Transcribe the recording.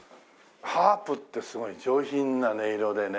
ハープってすごい上品な音色でね。